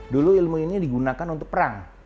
dulu ilmu ini digunakan untuk perang